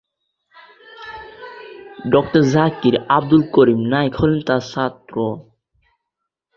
ডঃ জাকির আব্দুল করিম নায়েক হলেন তার ছাত্র।